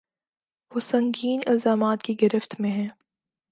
وہ سنگین الزامات کی گرفت میں ہیں۔